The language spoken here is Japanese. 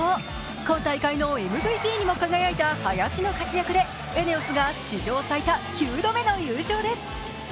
今大会のＭＶＰにも輝いた林の活躍でＥＮＥＯＳが史上最多９度目の優勝です。